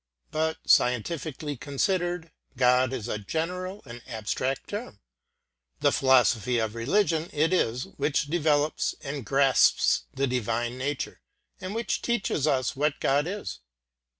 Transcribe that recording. But, scientifically considered, God is a general and abstract term. The philosophy of religion it is which develops and grasps the divine nature and which teaches us what God is.